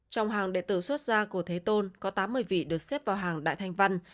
trong hàng đệ tử xuất ra của thế tôn có tám mươi vị được xếp vào hàng đại thanh văn